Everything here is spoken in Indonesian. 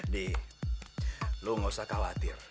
di lu gak usah khawatir